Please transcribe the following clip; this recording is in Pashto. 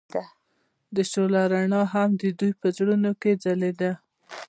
د شعله رڼا هم د دوی په زړونو کې ځلېده.